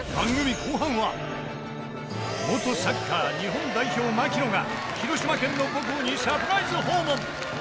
元サッカー日本代表槙野が広島県の母校にサプライズ訪問